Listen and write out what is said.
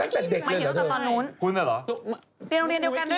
ตั้งแต่เด็กเลยเหรอเธอคุณเหรอเปลี่ยนโรงเรียนเดียวกันไหม